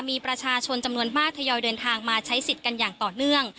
มีประชาชนจำนวนมากทยอยเดินทางมาใช้สิทธิ์กันอย่างต่อเนื่อง